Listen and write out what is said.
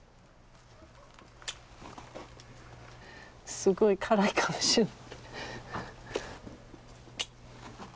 すごい辛いかもしれない。